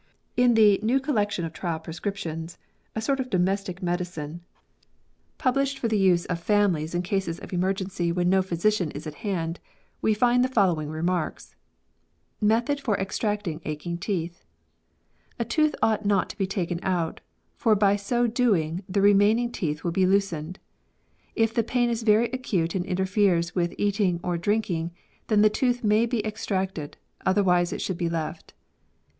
In the '' New Collection of Tried Prescriptions," a sort of domestic medicine published for the use of DENTISTRY. 33 families in cases of emergency when no physician is at hand, we find the following remarks :— METHOD FOR EXTRACTING ACHING TEETH. " A tooth ought not to be taken out, for by so doing the re. maming teeth will be loosened. If the pain is very acute and interferes with eating or drinking, then the tooth may be ex tracted; otherwise it should be left.